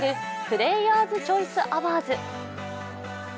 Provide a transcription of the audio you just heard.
プレーヤーズ・チョイス・アワーズ。